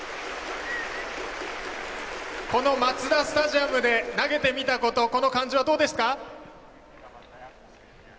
このマツダスタジアムで投げてみたことこの感じはどうですか？